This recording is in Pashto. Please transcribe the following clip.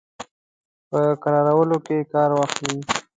په کرارولو کې کار واخلي.